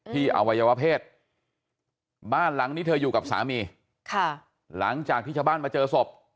อวัยวเพศบ้านหลังนี้เธออยู่กับสามีค่ะหลังจากที่ชาวบ้านมาเจอศพ